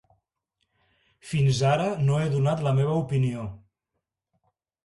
Fins ara no he donat la meva opinió.